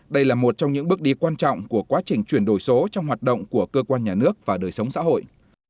đây là một trong những bước đi quan trọng của quá trình chuyển đổi số trong hoạt động của cơ quan nhà nước và đời sống xã hội